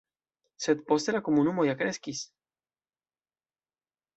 Sed poste la komunumo ja kreskis.